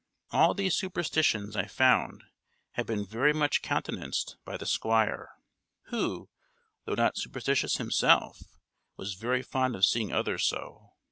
All these superstitions I found had been very much countenanced by the Squire, who, though not superstitious himself, was very fond of seeing others so.